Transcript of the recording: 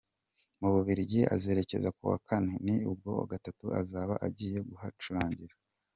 Mu Bubiligi azerekeza kuwa Kane, ni ubwa gatatu azaba agiye kuhacurangira.